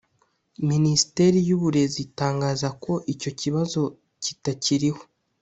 Minisiteri y’Uburezi itangaza ko icyo kibazo kitakiriho